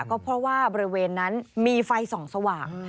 ก็เพราะว่าบริเวณนั้นมีไฟส่องสว่าง